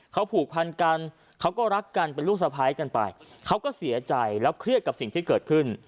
เขาผูกพันกันเขาก็รักกันเป็นลูกสะพ้ายกันไปเขาก็เสียใจแล้วเครียดกับสิ่งที่เกิดขึ้น